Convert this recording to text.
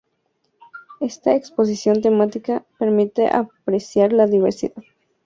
Esta exposición temática permite apreciar la diversidad, riqueza y creatividad de los grupos mesoamericanos.